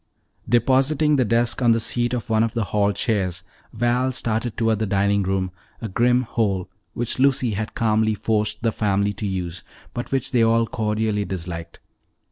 Depositing the desk on the seat of one of the hall chairs, Val started toward the dining room, a grim hole which Lucy had calmly forced the family to use but which they all cordially disliked.